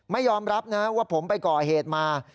ไม่ยอมรับนะว่าผมไปก่อเหตุมา